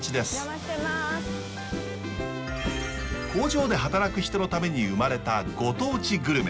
工場で働く人のために生まれたご当地グルメ。